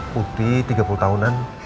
putih tiga puluh tahunan